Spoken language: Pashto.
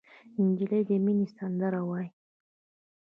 نجلۍ د مینې سندره وایي.